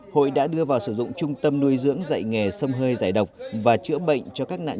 hội đã đưa vào sử dụng trung tâm nuôi dưỡng dạy nghề xâm hơi giải độc và chữa bệnh cho các nạn nhân